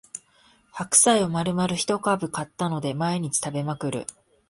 白菜をまるまる一株買ったので毎日食べまくる